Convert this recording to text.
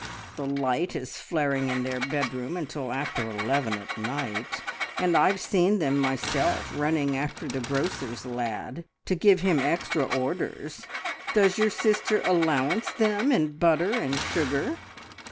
The light is flaring in their bedroom until after eleven at night, and I've seen them myself running after the grocer's lad to give him extra orders. Does your sister allowance them in butter and sugar?